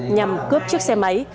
nhằm cướp tài sản